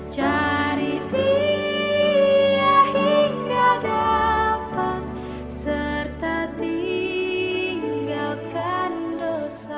cari dunia hingga dapat serta tinggalkan dosa